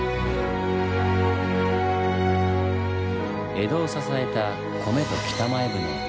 江戸を支えた米と北前船。